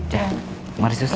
ya mari sus